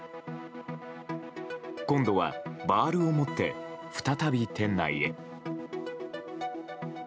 今度は、バールを持って再び店内へ。